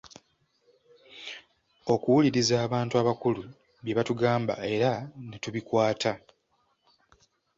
Okuwuliriza abantu abakulu bye batugamba era ne tubikwata.